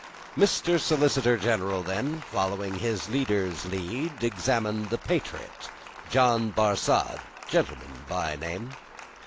Mr. Solicitor General then, following his leader's lead, examined the patriot: John Barsad, gentleman, by name.